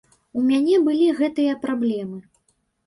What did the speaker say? У мяне былі гэтыя праблемы.